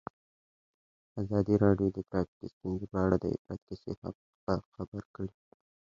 ازادي راډیو د ټرافیکي ستونزې په اړه د عبرت کیسې خبر کړي.